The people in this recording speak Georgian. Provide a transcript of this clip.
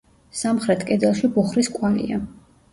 სამხრეთ კედელში ბუხრის კვალია.